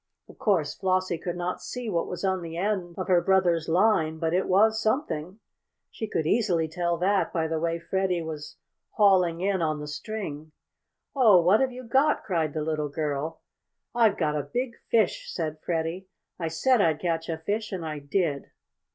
Of course Flossie could not see what was on the end of her brother's line, but it was something! She could easily tell that by the way Freddie was hauling in on the string. "Oh, what have you got?" cried the little girl. "I've got a big fish!" said Freddie. "I said I'd catch a fish, and I did!"